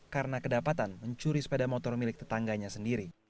karena kedapatan mencuri sepeda motor milik tetangganya sendiri